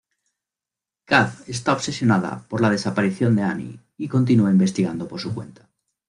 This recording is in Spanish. Kath está obsesionada por la desaparición de Annie y continúa investigando por su cuenta.